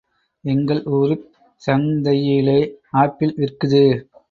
எங்கள் ஊருச் சங்தையிலே ஆப்பிள் விற்குது.